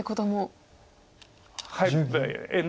はい。